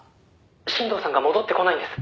「新藤さんが戻ってこないんです」